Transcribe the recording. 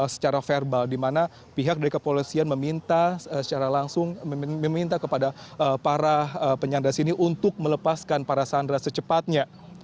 secara verbal di mana pihak dari kepolisian meminta secara langsung meminta kepada para penyanda sini untuk melepaskan para sandra secepatnya